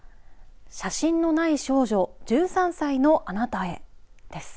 写真のない少女１３歳のあなたへ、です。